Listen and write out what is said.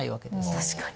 確かに。